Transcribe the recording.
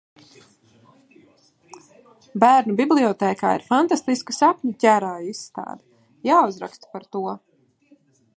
Bērnu bibliotēkā ir fantastiska sapņu ķērāju izstāde! Jāuzraksta par to.